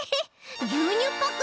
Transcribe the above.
ぎゅうにゅうパック